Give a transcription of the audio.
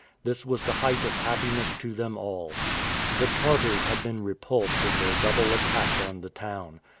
This was the height of happiness to them all. The Tartars had been repulsed in their double attack on the town.